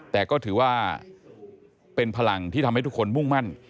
แต่ก็ถือว่าเป็นพลังที่ทำให้ทุกคนมุ่งมั่น